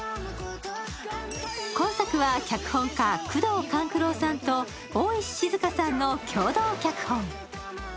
今作は、脚本家・宮藤官九郎さんと大石静さんの共同脚本。